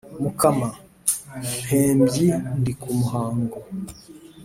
mukama-mpembyi ndi ku muhango.